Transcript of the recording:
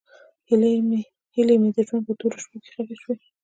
هیلې مې د ژوند په تورو شپو کې ښخې شوې.